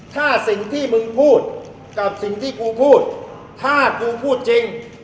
ถ้าสิ่งที่มึงพูดกับสิ่งที่กูพูดถ้ากูพูดจริง